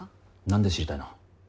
何で知りたいの？